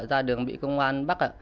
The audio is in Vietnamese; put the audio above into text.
ra đường bị công an bắt ạ